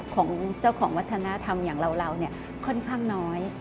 ของเจ้าของวัฒนธรรมอย่างเราค่อนข้างน้อย